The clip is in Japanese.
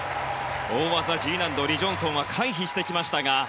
大技Ｇ難度のリ・ジョンソンは回避してきましたが。